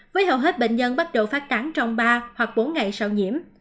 với hầu hết bệnh nhân bắt đầu phát tán trong ba hoặc bốn ngày sau nhiễm